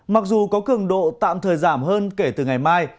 mặc dù có cường độ tạm thời giảm hơn kể từ ngày mai